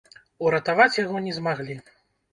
Уратаваць яго не змаглі.